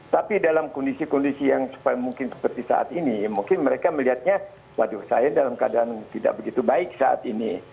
tapi dalam kondisi kondisi yang mungkin seperti saat ini mungkin mereka melihatnya waduh saya dalam keadaan tidak begitu baik saat ini